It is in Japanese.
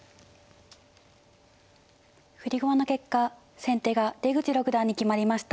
振り駒の結果先手が出口六段に決まりました。